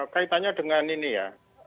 kaitannya dengan ini ya